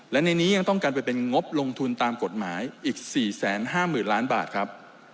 และในนี้ยังต้องกันไปเป็นงบลงทุนตามกฎหมายอีก๔๕๐๐๐ล้านบาทครับ